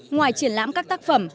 ngoài triển lãm các tác phẩm